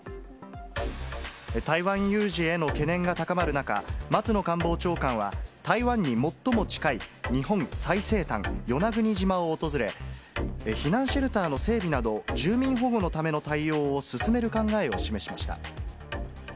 台湾有事への懸念が高まる中、松野官房長官は、台湾に最も近い日本最西端、与那国島を訪れ、避難シェルターの整備など、住民保護のための対応を進める考えを示しました。